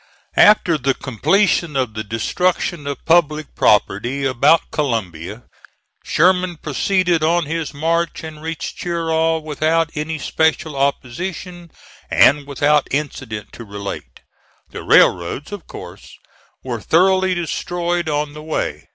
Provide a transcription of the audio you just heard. After the completion of the destruction of public property about Columbia, Sherman proceeded on his march and reached Cheraw without any special opposition and without incident to relate. The railroads, of course, were thoroughly destroyed on the way.